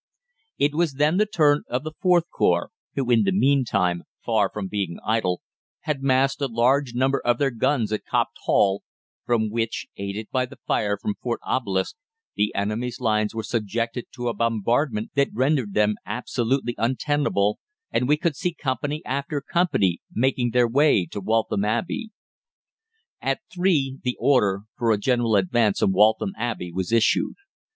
It was then the turn of the IVth Corps, who in the meantime, far from being idle, had massed a large number of their guns at Copped Hall, from which, aided by the fire from Fort Obelisk, the enemy's lines were subjected to a bombardment that rendered them absolutely untenable, and we could see company after company making their way to Waltham Abbey. "At three the order for a general advance on Waltham Abbey was issued.